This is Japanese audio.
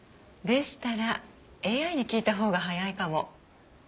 でしたらＡＩに聞いたほうが早いかも。